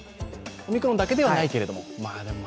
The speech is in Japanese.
オミクロンだけではないけれども。